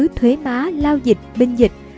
cứ thuế má lao dịch binh dịch